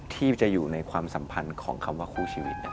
ที่จะอยู่ในความสัมพันธ์ของคำว่าคู่ชีวิต